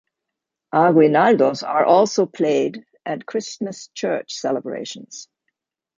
Aguinaldos are also played at Christmas church celebrations.